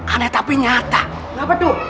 aneh tapi nyata